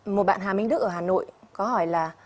một bạn hà minh đức ở hà nội có hỏi là